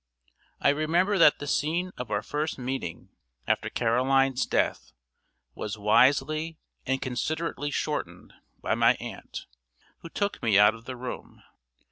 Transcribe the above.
I remember that the scene of our first meeting after Caroline's death was wisely and considerately shortened by my aunt, who took me out of the room.